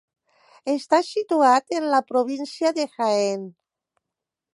Està situat en la província de Jaén.